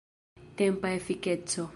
Tempa efikeco.